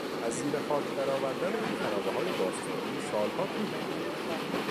از زیر خاک درآوردن این خرابههای باستانی سالها طول خواهد کشید.